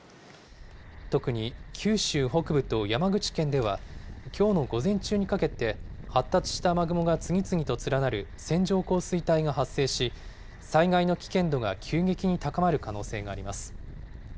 特に、九州北部と山口県ではきょうの午前中にかけて、発達した雨雲が次々と連なる線状降水帯が発生し、災害の危険度が急激に高まる可能性があります。